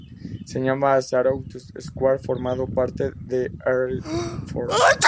Se llamaba "Saratov United Air Squad" y formaba parte de Aeroflot.